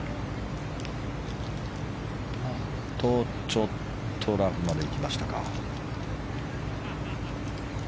ちょっとラフまで行きましたか。